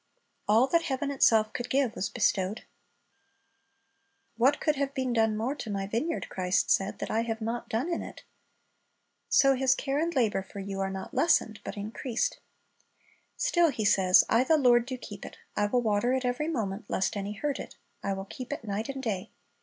All that heaven itself could give was bestowed. "What could have been done more to My vineyard," Christ said, "that I have not done in it?"* So His care and labor for you are not lessened, but increased. Still He says, "I the Lord do keep it; I will water it every moment; lest any hurt it, I will keep it night and day."